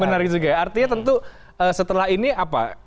menarik juga ya artinya tentu setelah ini apa